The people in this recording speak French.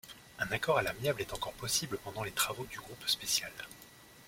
Un accord à l'amiable est encore possible pendant les travaux du groupe spécial.